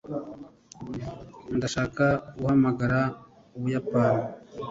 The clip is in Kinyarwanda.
ndashaka guhamagara ubuyapani